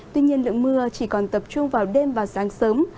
tuy nhiên lượng mưa chỉ còn tập trung vào đêm và sáng sớm